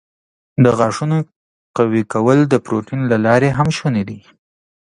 د غاښونو قوي کول د پروټین له لارې هم شونی دی.